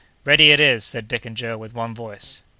"Ready it is!" said Dick and Joe, with one voice.